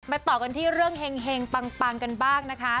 ต่อกันที่เรื่องเฮงปังกันบ้างนะคะ